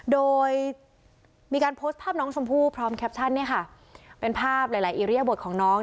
โดยมีการโพสต์ภาพน้องสมภูพร้อมแคปชั่นเป็นภาพหลายอีเรียบทของน้อง